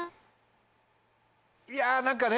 いや何かね